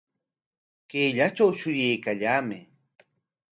Kayllatraw shuyaykallaamay